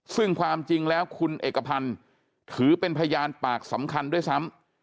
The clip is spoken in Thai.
ซึ่งความจริงแล้วคุณเอกพันธ์ถือเป็นพยานปากสำคัญด้วยซ้ำ